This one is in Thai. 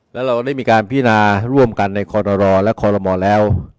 และเราก็ได้มีการพินาร่วมกันในครและครแล้ว